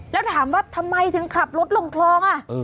แล้วถามว่าทำไมถึงขับรถลงคลอง